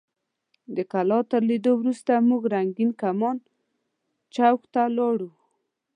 د کلا تر لیدو وروسته موږ رنګین کمان چوک ته لاړو.